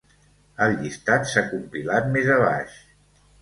El llistat s"ha compilat més abaix.